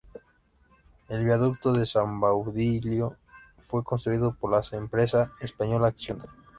El viaducto de San Baudilio fue construido por la empresa española Acciona..